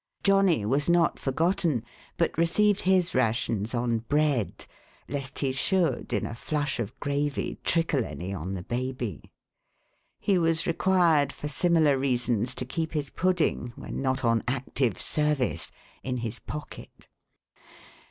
Johnny was not forgotten, but received his rations on bread, lest he should, in a flush of gravy, trickle any on the baby. He was required, for similar reasons, to keep his pudding, when not on active service, in his pocket.